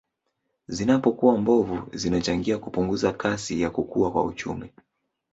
Zinazopokuwa mbovu zinachangia kupunguza kasi ya kukua kwa uchumi